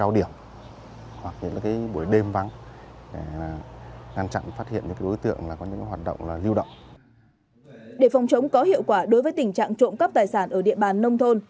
để phòng chống có hiệu quả đối với tình trạng trộm cắp tài sản ở địa bàn nông thôn